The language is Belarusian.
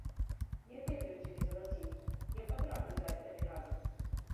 Я ведаю цябе, залаценькі, я патраплю даць табе рады!